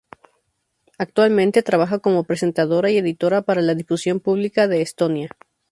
Actualmente trabaja como presentadora y editora para la Difusión Pública de Estonia.